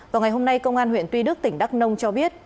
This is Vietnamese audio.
vào ngày hôm nay công an huyện tuy đức tỉnh đắk nông cho biết